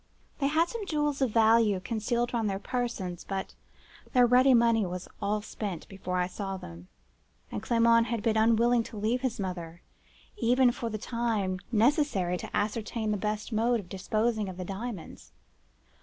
They had some jewels of value concealed round their persons; but their ready money was all spent before I saw them, and Clement had been unwilling to leave his mother, even for the time necessary to ascertain the best mode of disposing of the diamonds.